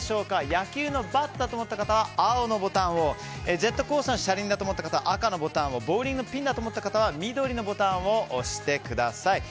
野球のバットだと思った方は青のボタンをジェットコースターの車輪だと思った方は赤のボタンをボウリングのピンだと思った方は緑のボタンを押してください。